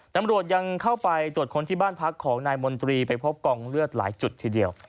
ตำรวจยังเข้าไปตรวจค้นที่บ้านพักของนายมนตรีไปพบกองเลือดหลายจุดทีเดียว